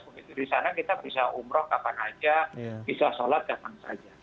begitu disana kita bisa umrah kapan saja bisa sholat kapan saja